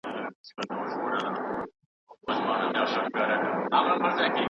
باید په هره کیسه کې د عبرت او پوهې ټکي ولټوو.